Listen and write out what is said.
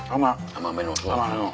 甘めのソース。